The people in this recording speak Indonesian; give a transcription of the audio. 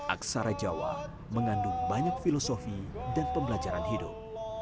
aksara jawa mengandung banyak filosofi dan pembelajaran hidup